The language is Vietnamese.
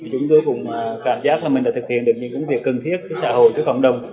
chúng tôi cũng cảm giác là mình đã thực hiện được những công việc cần thiết cho xã hội cho cộng đồng